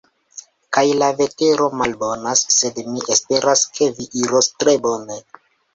Kaj la vetero malbonas, sed mi esperas ke vi iros tre bone.